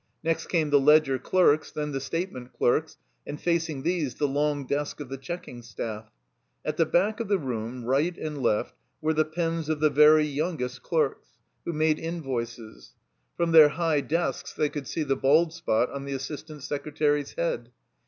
Next came the ledger clerks, then the statement clerks; and facing these the long desk of the checking staff. At the back of the room, right and left, were the pens of the very yoimgest clerks, who made invoices. Prom their high desks they could see the bald spot on the assistant secretary's head.